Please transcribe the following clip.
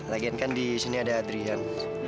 lagian kan disini ada adrian